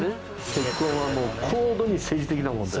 結婚は高度に政治的な問題。